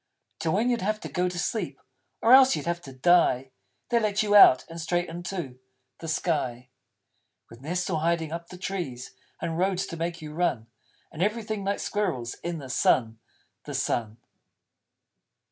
Till, when you'd have to go to sleep Or else you'd have to die, They let you Out, and straight into The Sky! _With nests all hiding up the Trees, And Roads to make you Run: And everything like Squirrels! In the Sun the Sun!